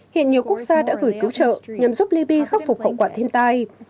hiện nhiều quốc gia đã gửi cứu trợ nhằm giúp libya khắc phục khẩu quản thiên tai